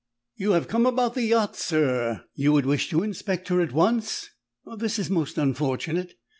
"You have come about the yacht, sir. You would wish to inspect her at once? This is most unfortunate!